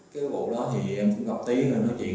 nếu mấy anh chúng ta mất đi nữa